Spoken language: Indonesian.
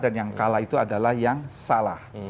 dan yang kalah itu adalah yang salah